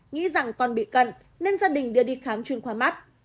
nghĩ rằng con bị cận nên gia đình đưa đi khám chuyên khoa mắt